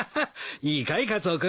いいかいカツオ君